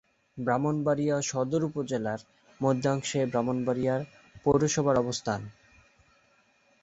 ব্রাহ্মণবাড়িয়া সদর উপজেলার মধ্যাংশে ব্রাহ্মণবাড়িয়া পৌরসভার অবস্থান।